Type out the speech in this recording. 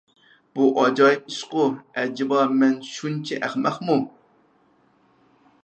بۇ ئاجايىپ ئىشقۇ، ئەجەبا، مەن شۇنچە ئەخمەقمۇ؟